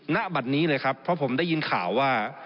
ณบัตรนี้เลยครับเพราะผมได้ยินข่าวว่า